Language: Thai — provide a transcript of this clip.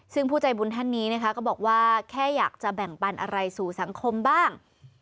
ซึ่งผู้ใจบุญท่านนี้นะคะก็บอกว่าแค่อยากจะแบ่งปันอะไรสู่สังคมบ้าง